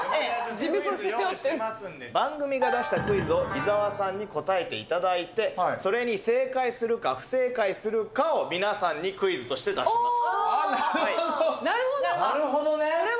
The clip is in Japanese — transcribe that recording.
事務所背負ってる番組が出したクイズを伊沢さんに答えていただいてそれに正解するか不正解するかを皆さんにクイズとして出しますあっなるほどなるほどね